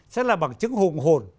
sẽ là bằng chứng hùng hồn